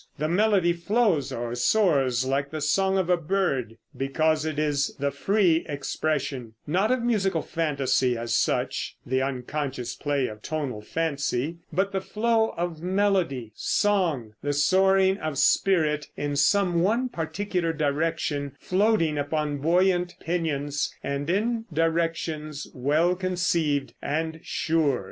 The melody flows or soars like the song of a bird, because it is the free expression, not of musical fantasy, as such (the unconscious play of tonal fancy), but the flow of melody, song, the soaring of spirit in some one particular direction, floating upon buoyant pinions, and in directions well conceived and sure.